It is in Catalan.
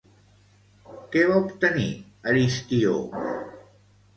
Què va obtenir, Aristió?